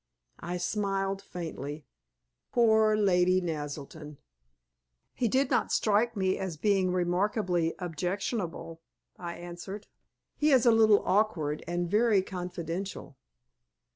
I smiled faintly. Poor Lady Naselton! "He did not strike me as being remarkably objectionable," I answered. "He is a little awkward, and very confidential."